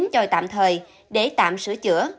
chín tròi tạm thời để tạm sửa chữa